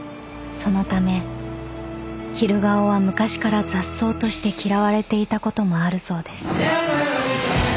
［そのため昼顔は昔から雑草として嫌われていたこともあるそうです］